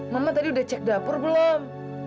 mama tadi udah cek dapur belum